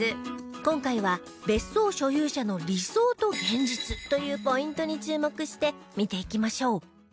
今回は別荘所有者の理想と現実というポイントに注目して見ていきましょう